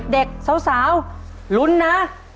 เด็กสาวลุ้นนะ